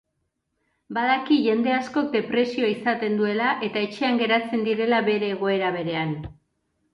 Badaki jende askok depresioa izaten duela eta etxean geratzen direla bere egoera berean.